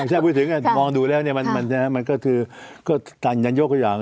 ถ้าพูดถึงมองดูแล้วมันก็คือก็ต่างกันยกตัวอย่าง